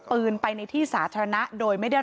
ปืนไปในที่สาธารณะโดยไม่ได้รับ